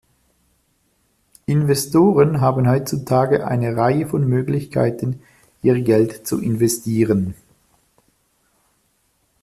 Investoren haben heutzutage eine Reihe von Möglichkeiten ihr Geld zu investieren.